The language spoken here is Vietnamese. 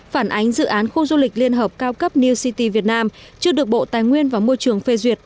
phản ánh dự án khu du lịch liên hợp cao cấp new city việt nam chưa được bộ tài nguyên và môi trường phê duyệt